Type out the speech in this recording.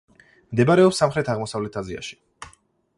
მდებარეობს სამხრეთ-აღმოსავლეთ აზიაში.